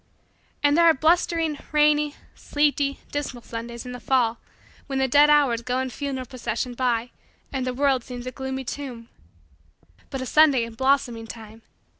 And there are blustering, rainy, sleety, dismal, Sundays in the fall when the dead hours go in funeral procession by and the world seems a gloomy tomb. But a Sunday in blossoming time!